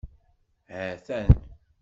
Hatan.